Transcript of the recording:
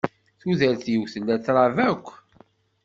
Tudert-iw tella trab akk.